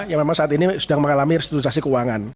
yang memang saat ini sedang mengalami restruktasi keuangan